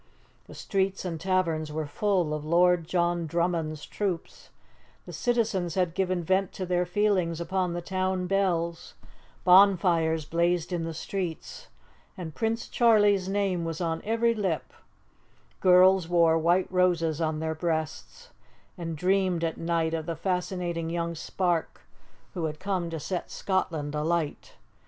The streets and taverns were full of Lord John Drummond's troops, the citizens had given vent to their feelings upon the town bells, bonfires blazed in the streets, and Prince Charlie's name was on every lip; girls wore white roses on their breasts, and dreamed at night of the fascinating young spark who had come to set Scotland alight.